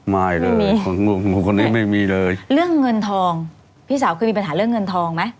ไม่เลยมีคนงงคนนี้ไม่มีเลยเรื่องเงินทองพี่สาวเคยมีปัญหาเรื่องเงินทองไหม